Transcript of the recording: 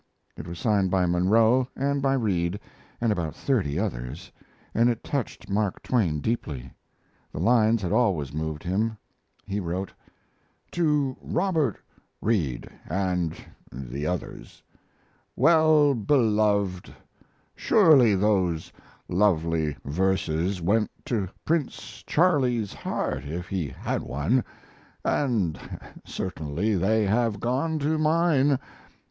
It was signed by Munro and by Reid and about thirty others, and it touched Mark Twain deeply. The lines had always moved him. He wrote: TO ROBT. REID & THE OTHERS WELL BELOVED, Surely those lovely verses went to Prince Charlie's heart, if he had one, & certainly they have gone to mine.